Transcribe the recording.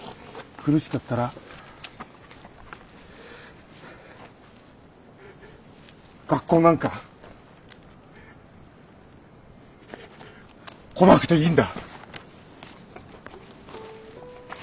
苦しかったら苦しい時は学校なんか来なくていいんだ。